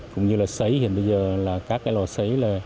cũng như là sấy hiện bây giờ là các cái lò sấy